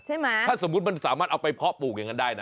ใช่ไหมถ้าสมมุติมันสามารถเอาไปเพาะปลูกอย่างนั้นได้นะ